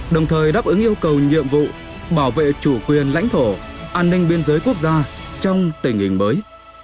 đồng thời đáp ứng yêu cầu nhiệm vụ bảo vệ chủ quyền lãnh thổ an ninh biên giới quốc gia trong tình hình mới